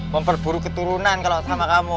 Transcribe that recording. memperburu keturunan kalau sama kamu